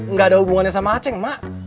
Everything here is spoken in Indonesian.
nggak ada hubungannya sama aceh mak